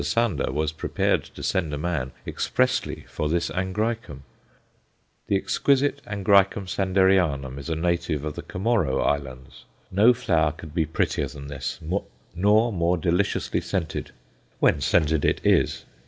Sander was prepared to send a man expressly for this Angræcum. The exquisite A. Sanderianum is a native of the Comorro Islands. No flower could be prettier than this, nor more deliciously scented when scented it is!